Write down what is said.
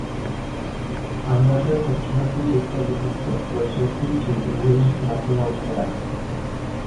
Angažuje se v činnosti České biblické společnosti či Sdružení Martina Luthera.